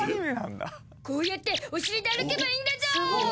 こうやってお尻で歩けばいいんだゾ。